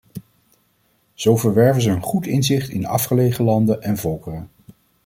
Zo verwerven ze een goed inzicht in afgelegen landen en volkeren.